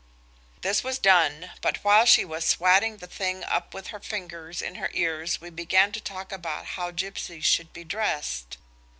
This was done, but while she was swatting the thing up with her fingers in her ears we began to talk about how gipsies should be dressed.